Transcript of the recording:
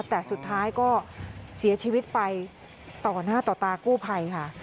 แต่สุดท้ายก็เสียชีวิตไปต่อหน้าต่อตากู้ภัยค่ะ